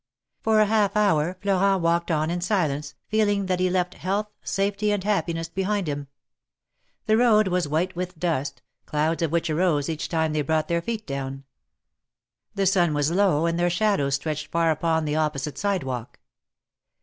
For a half hour Florent walked on in silence, feeling that he left health, safety and happiness behind him. The road was white with dust, clouds of which arose each time they brought their feet down. The sun was low, and their shadows stretched far upon the opposite sidewalk.